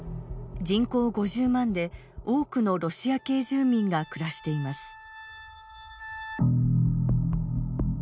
人口５０万で多くのロシア系住民が暮らしています。